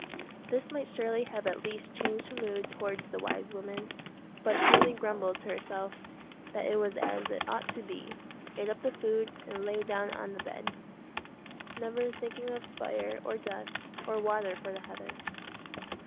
This might surely have at least changed her mood towards the wise woman; but she only grumbled to herself that it was as it ought to be, ate up the food, and lay down on the bed, never thinking of fire, or dust, or water for the heather.